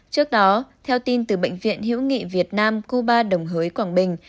trước đó theo tin từ bệnh viện hữu nghị việt nam cuba đồng hới quảng bình